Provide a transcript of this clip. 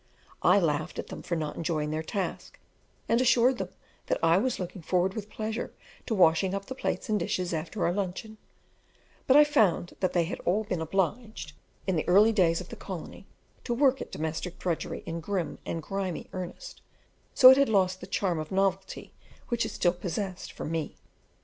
I laughed at them for not enjoying their task, and assured them that I was looking forward with pleasure to washing up the plates and dishes after our luncheon; but I found that they had all been obliged, in the early days of the colony, to work at domestic drudgery in grim and grimy earnest, so it had lost the charm of novelty which it still possessed for me.